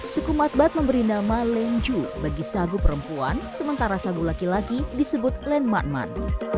suku matbat memberi nama lenju bagi sagu perempuan sementara sagu laki laki disebut len markman